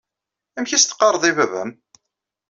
Amek ay as-teɣɣareḍ i baba-m?